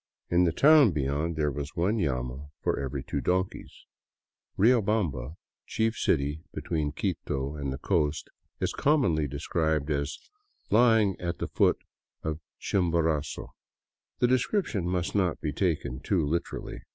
In the town be yond there was one llama for every two donkeys. 174 DOWN VOLCANO AVENUE Riobamba, chief city between Quito and the coast, is commonly described as " lying at the foot of Chimborazo." The description must not be taken too literally.